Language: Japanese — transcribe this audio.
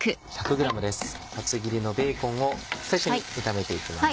厚切りのベーコンを最初に炒めていきます。